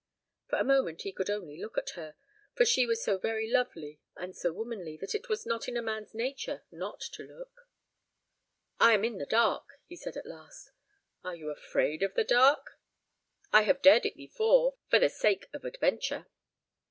For the moment he could only look at her, for she was so very lovely and so womanly that it was not in a man's nature not to look. "I am in the dark," he said, at last. "Are you afraid of the dark?" "I have dared it before—for the sake of adventure."